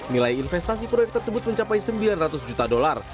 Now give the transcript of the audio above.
nilai investasi proyek tersebut mencapai sembilan ratus juta dolar